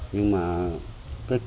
nhưng mà cái cổ